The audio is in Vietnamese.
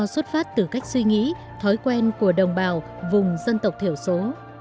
xuất phát từ cách suy nghĩ thói quen của đồng bào vùng dân tộc thiểu số